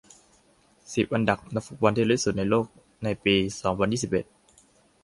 สิบ อันดับนักฟุตบอลที่รวยที่สุดในโลกในปี สองพันยี่สิบเอ็ด